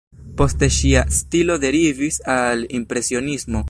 Poste ŝia stilo derivis al impresionismo.